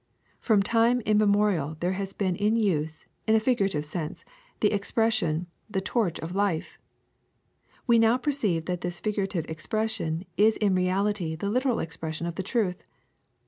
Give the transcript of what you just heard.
From time immemorial there has been in use, in a figura tive sense, the expression, 'the torch of life.^ We now perceive that this figurative expression is in reality the literal expression of the truth.